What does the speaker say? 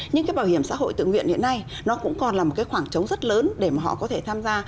nhưng cái bảo hiểm xã hội tự nguyện hiện nay nó cũng còn là một cái khoảng trống rất lớn để mà họ có thể tham gia